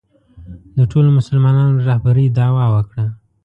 د ټولو مسلمانانو رهبرۍ دعوا وکړه